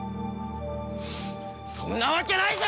そんなわけないじゃないか！